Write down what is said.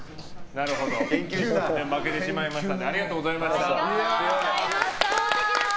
なるほど、研究してたけど負けてしまいましたと。